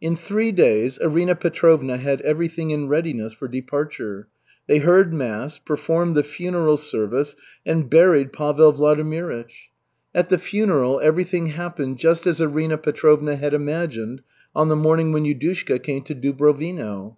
In three days, Arina Petrovna had everything in readiness for departure. They heard mass, performed the funeral service, and buried Pavel Vladimirych. At the funeral everything happened just as Arina Petrovna had imagined on the morning when Yudushka came to Dubrovino.